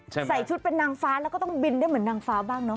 ใส่ชุดเป็นนางฟ้าแล้วก็ต้องบินได้เหมือนนางฟ้าบ้างเนาะ